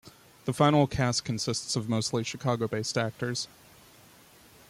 The final cast consists of mostly Chicago-based actors.